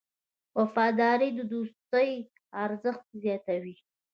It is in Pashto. وفاداري د دوستۍ ارزښت زیاتوي.